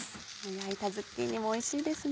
焼いたズッキーニもおいしいですね。